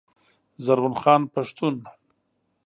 زرغون خان پښتون